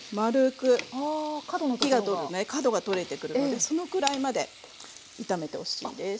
火が通るとね角がとれてくるのでそのくらいまで炒めてほしいです。